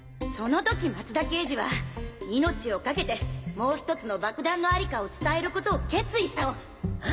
その時松田刑事は命をかけてもう１つの爆弾のありかを伝えることを決意したの！